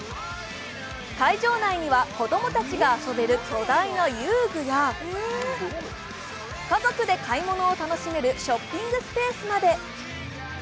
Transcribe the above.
会場内には、子供たちが遊べる巨大な遊具や家族で買い物を楽しめるショッピングスペースまで。